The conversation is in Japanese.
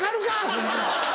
そんなの。